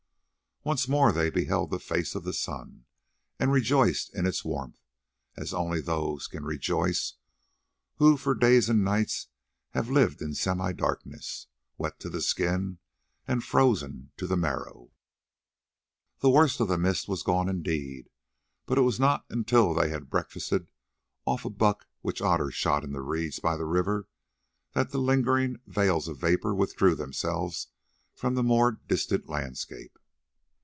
Once more they beheld the face of the sun, and rejoiced in its warmth as only those can rejoice who for days and nights have lived in semi darkness, wet to the skin and frozen to the marrow. The worst of the mist was gone indeed, but it was not until they had breakfasted off a buck which Otter shot in the reeds by the river, that the lingering veils of vapour withdrew themselves from the more distant landscape.